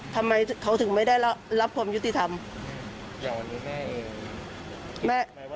ทำไมเขาถึงไม่ได้รับความยุติธรรม